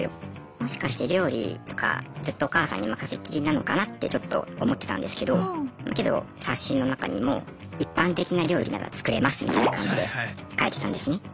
もしかして料理とかずっとお母さんに任せっきりなのかなってちょっと思ってたんですけどけど冊子の中にも一般的な料理なら作れますみたいな感じで書いてたんですね。